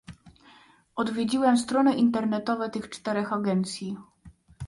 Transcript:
Odwiedziłem strony internetowe tych czterech agencji